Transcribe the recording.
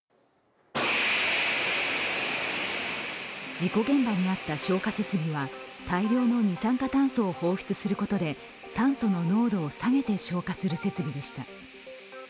事故現場にあった消火設備は大量の二酸化炭素を放出することで酸素の濃度を下げて消火する設備でした。